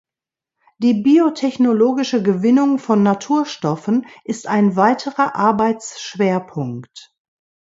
Die biotechnologische Gewinnung von Naturstoffen ist ein weiterer Arbeitsschwerpunkt.